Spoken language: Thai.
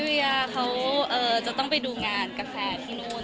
แล้วเขาจะต้องไปดูงานกับแพทย์ที่นู่น